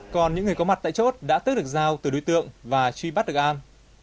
còn những người có mặt tại chốt đã tước được dao từ đối tượng và truy bắt được an